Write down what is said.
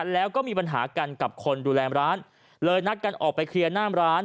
แล้วก็มีปัญหากันกับคนดูแลร้านเลยนัดกันออกไปเคลียร์หน้ามร้าน